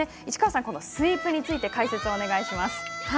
市川さん、このスイープについて解説をお願いします。